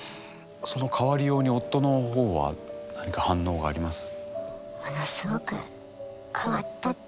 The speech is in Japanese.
その変わりように夫の方は何か反応があります？